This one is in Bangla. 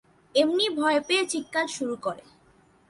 এম্নি ভয় পেয়ে চিৎকার শুরু করে।